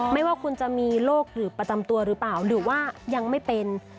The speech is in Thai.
ไม่ว่าคุณจะมีโรคหรือประจำตัวหรือเปล่าหรือว่ายังไม่เป็น